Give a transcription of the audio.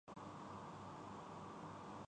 نرم دل لوگوں کے پسند نہیں کرتا